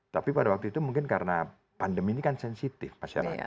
tapi pada waktu itu mungkin karena pandemi ini kan sensitif masyarakat